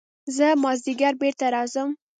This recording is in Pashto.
زه مازديګر بېرته راځم.